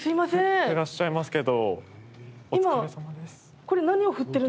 振ってらっしゃいますけど。